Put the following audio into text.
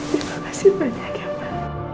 terima kasih banyak ya ma